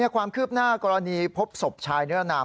ความคืบหน้ากรณีพบศพชายเนื้อนาม